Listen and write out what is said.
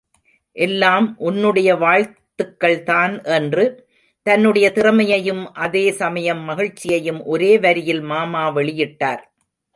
எல்லாம் உன்னுடைய வாழ்த்துக்கள் தான் என்று தன்னுடைய திறமையையும் அதே சமயம் மகிழ்ச்சியையும் ஒரே வரியில் மாமா வெளியிட்டார்.